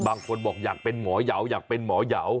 บางคนบอกอยากเป็นหมอยาวอยากเป็นหมอยาว